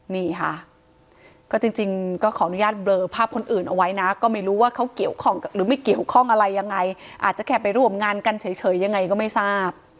นี่ค่ะก็จริงก็ขออนุญาตเบลอภาพคนอื่นเอาไว้นะก็ไม่รู้ว่าเขาเกี่ยวข้องหรือไม่เกี่ยวข้องอะไรยังไงอาจจะแค่ไปร่วมงานกันเฉยยังไงก็ไม่ทราบ